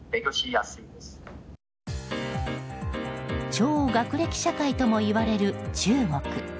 超学歴社会ともいわれる中国。